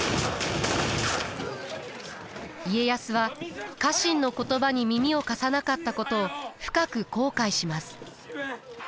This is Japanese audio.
家康は家臣の言葉に耳を貸さなかったことを深く後悔します。